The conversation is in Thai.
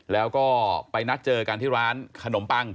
แล้วก็ไปนัดเจอกันที่ร้านขนมปัง